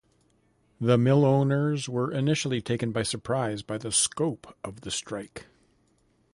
The mill owners were initially taken by surprise by the scope of the strike.